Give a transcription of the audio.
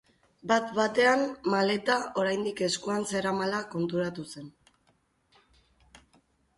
Bat-batean maleta oraindik eskuan zeramala konturatu zen.